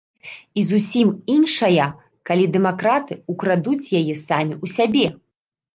І зусім іншая, калі дэмакраты ўкрадуць яе самі ў сябе.